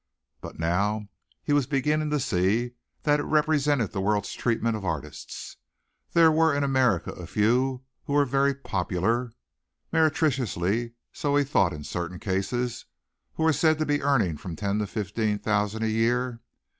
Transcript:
But now he was beginning to see that it represented the world's treatment of artists. There were in America a few who were very popular meretriciously so he thought in certain cases who were said to be earning from ten to fifteen thousand a year.